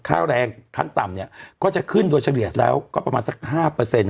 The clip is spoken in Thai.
ค่าแรงขั้นต่ำเนี่ยก็จะขึ้นโดยเฉลี่ยแล้วก็ประมาณสัก๕เปอร์เซ็นต์๕๐๒เปอร์เซ็นต์